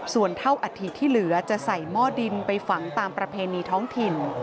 ส่วนเท่าอัฐิที่เหลือจะใส่หม้อดินไปฝังตามประเพณีท้องถิ่น